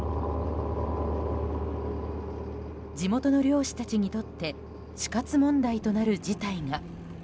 地元の漁師たちにとって死活問題となる事態が。